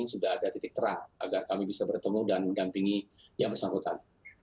sudah ada titik terang agar kami bisa bertemu dan mendampingi yang bersangkutan